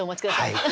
はい。